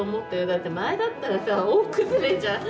だって前だったらさ大崩れじゃん。